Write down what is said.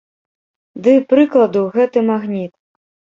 Ды прыкладу, гэты магніт.